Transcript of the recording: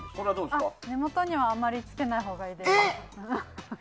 根元にはあまりつけないほうがいいです。